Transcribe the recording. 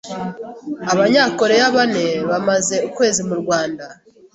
Abanya-Korea bane bamaze ukwezi mu Rwanda